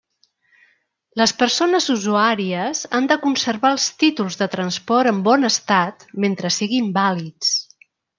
Les persones usuàries han de conservar els títols de transport en bon estat mentre siguin vàlids.